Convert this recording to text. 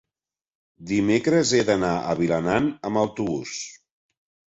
dimecres he d'anar a Vilanant amb autobús.